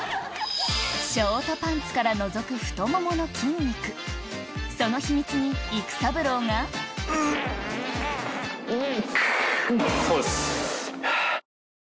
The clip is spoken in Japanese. ショートパンツからのぞく太ももの筋肉その秘密に育三郎がそうです。